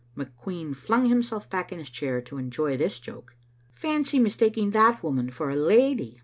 McQueen flung himself back in his chair to enjoy this joke. "Fancy mistaking that woman for a lady!"